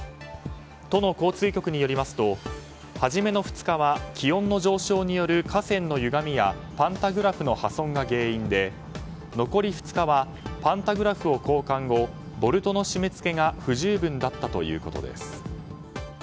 都の交通局によりますと初めの２日は気温の上昇による架線のゆがみやパンタグラフの破損が原因で残り２日はパンタグラフを交換後ボルトの締め付けが不十分だったということです。